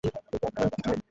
কিন্তু এখনো এমন কিছুই হয়নি।